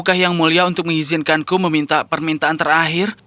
apakah yang mulia untuk mengizinkanku meminta permintaan terakhir